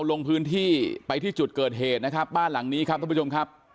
ลงพื้นที่ไปที่จุดเกิดเหตุนะครับบ้านหลังนี้ครับท่านผู้ชมครับ